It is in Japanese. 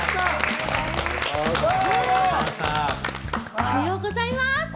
おはようございます。